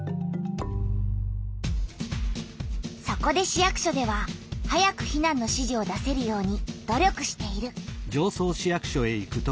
そこで市役所では早く避難の指示を出せるように努力している。